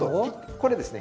これですね